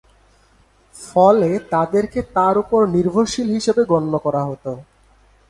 ফলে তাদেরকে তার উপর নির্ভরশীল হিসেবে গণ্য করা হত।